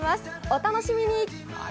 お楽しみに！